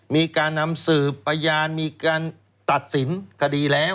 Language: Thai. มีการนำสืบพยานมีการตัดสินคดีแล้ว